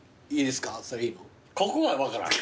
ここは分からん。